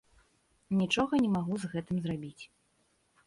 Нічога не магу з гэтым зрабіць.